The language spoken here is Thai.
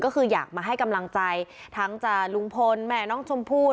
ก็คืออยากมาให้กำลังใจทั้งจะลุงพลแม่น้องชมพู่